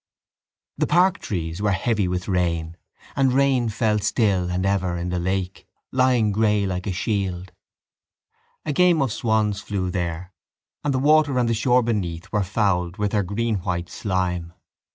The park trees were heavy with rain; and rain fell still and ever in the lake, lying grey like a shield. A game of swans flew there and the water and the shore beneath were fouled with their greenwhite slime.